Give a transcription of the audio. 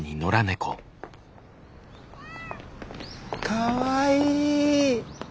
かわいい。